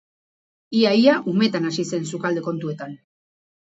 Ia ia umetan hasi zen sukalde kontuetan.